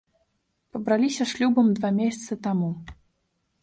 Пабраліся шлюбам два месяцы таму.